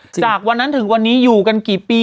จากวันนั้นถึงวันนี้อยู่กันกี่ปี